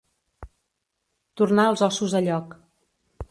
Tornar els ossos a lloc.